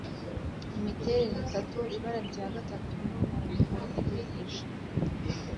Imiterere itatu, ibara rya gatatu, nubuntu buhimihije,